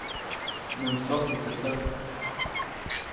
Nä msosu teʼ säjk.